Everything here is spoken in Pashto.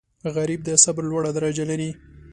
غریب د صبر لوړه درجه لري